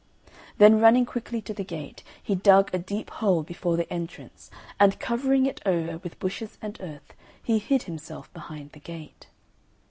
Then running quickly to the gate, he dug a deep hole before the entrance, and covering it over with bushes and earth, he hid himself behind the gate.